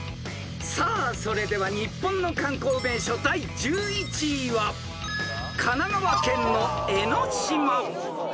［さあそれでは日本の観光名所第１１位は神奈川県の］